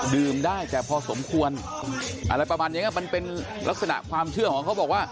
ได้แต่พอสมควรอะไรประมาณอย่างนี้มันเป็นลักษณะความเชื่อของเขาบอกว่า